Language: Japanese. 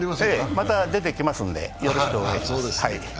また出てきますんで、よろしくお願いします。